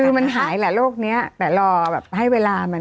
คือมันหายแหละโรคนี้แต่รอแบบให้เวลามัน